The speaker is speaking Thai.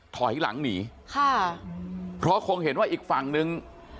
ถอยหลังหนีค่ะเพราะคงเห็นว่าอีกฝั่งนึง